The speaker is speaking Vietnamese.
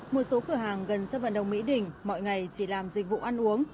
một số cửa hàng gần sân vận động mỹ đình mọi ngày chỉ làm dịch vụ ăn uống